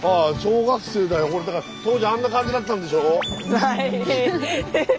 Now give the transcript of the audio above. はい。